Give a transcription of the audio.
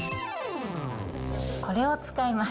これを使います。